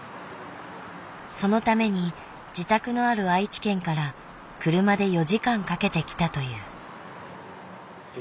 そのために自宅のある愛知県から車で４時間かけて来たという。